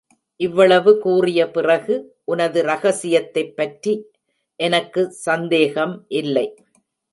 இவ்வளவு கூறிய பிறகு, உனது ரகசியத்தைப் பற்றி எனக்கு சந்தேகம் இல்லை.